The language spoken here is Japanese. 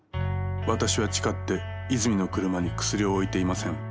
「私は誓って泉の車にクスリを置いていません」。